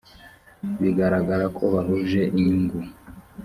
bigaragara ko bahuje inyungu